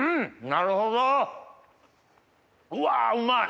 なるほどうわうまい！